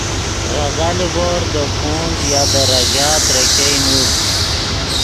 غزا لیڤور دے کونج یا دے ریژہ ترے ګئے نوڑ